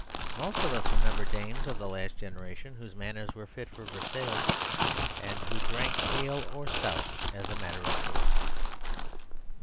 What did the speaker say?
Most of us remember dames of the last generation whose manners were fit for Versailles, and who drank ale or Stout as a matter of course.